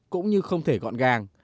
cũng như không thể gọn gàng